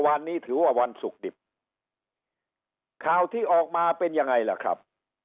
วันนี้ถือว่าวันศุกร์ดิบข่าวที่ออกมาเป็นยังไงล่ะครับ